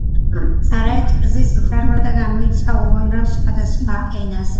არაერთგზის ითარგმნა და გამოიცა უამრავ სხვადასხვა ენაზე.